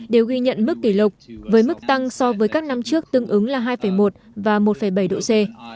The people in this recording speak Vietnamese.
đều ghi nhận mức kỷ lục với mức tăng so với các năm trước tương ứng là hai một và một bảy độ c